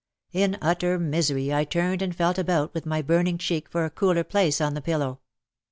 In utter misery I turned and felt about with my burning cheek for a cooler place on the pillow.